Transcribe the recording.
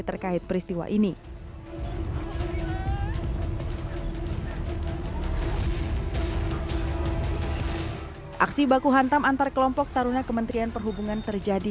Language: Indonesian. terkait peristiwa ini aksi baku hantam antar kelompok taruna kementerian perhubungan terjadi